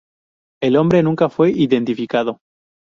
El hombre nunca fue identificado.